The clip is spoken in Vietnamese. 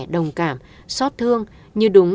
đồng cảm xót thương như đúng